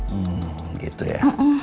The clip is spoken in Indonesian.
hmm gitu ya